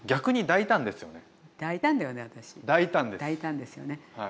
大胆ですよね。